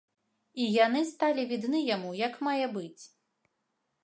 І яны сталі відны яму як мае быць.